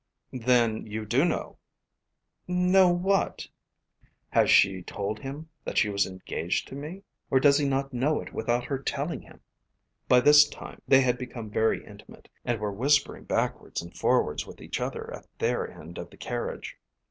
"Then you do know." "Know what?" "Has she told him that she was engaged to me? Or does he not know it without her telling him?" By this time they had become very intimate, and were whispering backwards and forwards with each other at their end of the carriage.